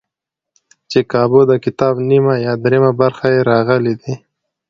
چې کابو دکتاب نیمه یا درېیمه برخه یې راغلي دي.